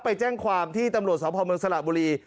ไปแจ้งความที่ตำรวจสพเมืองสระบุรี